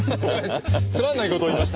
つまんないことを言いました。